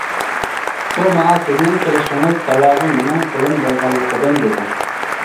ئۇ ماڭا «سىزنىڭ كېلىشىڭىز سەۋەبى مېنىڭ پۇلۇم بولغانلىقىدىن» دېدى.